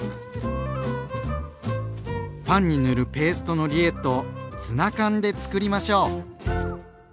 パンに塗るペーストのリエットをツナ缶でつくりましょう。